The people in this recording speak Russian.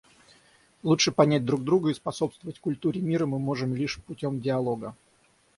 Лучше понять друг друга и способствовать культуре мира мы можем лишь путем диалога.